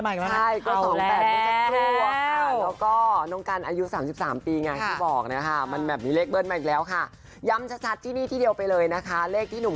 เอาละค่ะนี่นี่๒๘๔เหรอแล้ว๒๘ใหม่แล้วแล้วรถคุณพลอยใหม่กันแล้วไหม